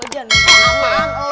eh jangan berlama lama